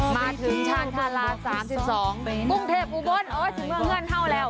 มาถึงชานธาราชสามสิบสองกรุงเทพอุบนเอิ้นถึงเมื่อเมื่อนเท่าแล้ว